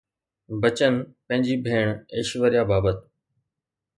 بچن پنهنجي ڀيڻ ايشوريا بابت